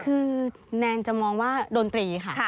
คือแนนจะมองว่าดนตรีค่ะ